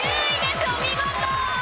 お見事！